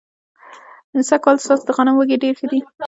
سږ کال ستاسو د غنمو وږي ډېر ښه دي.